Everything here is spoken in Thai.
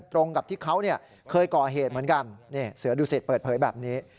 ตรงกับที่เขาเคยก่อเหตุเหมือนกันเสือดุสิตเปิดเผยแบบนี้